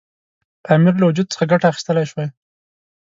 امیر له وجود څخه ګټه اخیستلای شوای.